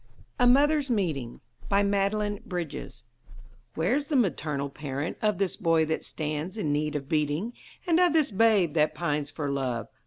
A MOTHERS' MEETING BY MADELINE BRIDGES "Where's the maternal parent of This boy that stands in need of beating, And of this babe that pines for love?"